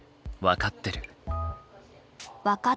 分かってる。